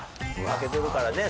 負けてるからね